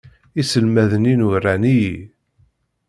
Iselmaden-inu ran-iyi.